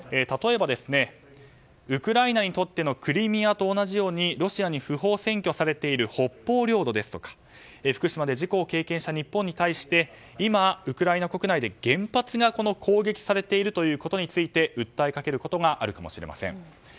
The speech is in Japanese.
例えば、ウクライナにとってのクリミアと同じようにロシアに不法占拠されている北方領土ですとか福島で事故を経験した日本に対して今、ウクライナ国内で原発が攻撃されているということについて訴えかけることがあるかもしれません。